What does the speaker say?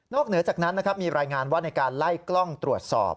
เหนือจากนั้นนะครับมีรายงานว่าในการไล่กล้องตรวจสอบ